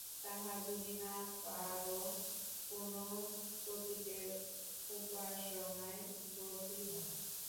তাহাও যদি না পার, কোন প্রতীকের উপাসনায় ব্রতী হও।